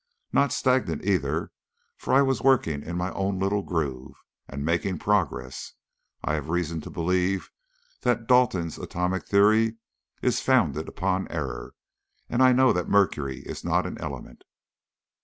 Not stagnant either, for I was working in my own little groove, and making progress. I have reason to believe that Dalton's atomic theory is founded upon error, and I know that mercury is not an element.